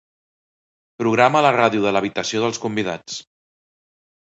Programa la ràdio de l'habitació dels convidats.